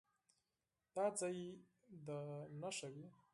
دا ځای دې نښه وي.